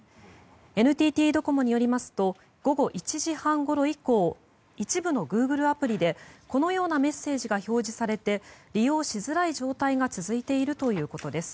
ＮＴＴドコモによりますと午後１時半ごろ以降一部のグーグルアプリでこのようなメッセージが表示されて利用しづらい状態が続いているということです。